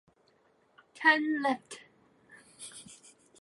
It starred Susan Hampshire and Nigel Davenport as Joy and George Adamson.